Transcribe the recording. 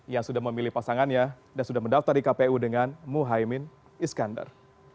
yang sudah memilih pasangannya dan sudah mendaftar di kpu dengan muhaymin iskandar